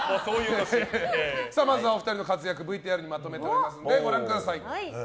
まずはお二人の活躍をＶＴＲにまとめましたのでご覧ください。